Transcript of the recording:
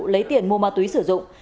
lấy tiền mua ma túy sử dụng